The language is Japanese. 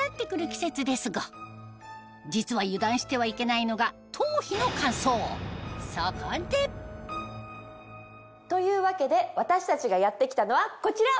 季節ですが実は油断してはいけないのがそこで！というわけで私たちがやって来たのはこちら！